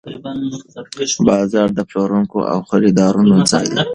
بازار د پلورونکو او خریدارانو ځای دی.